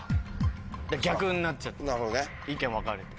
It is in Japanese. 逆になっちゃった意見分かれて。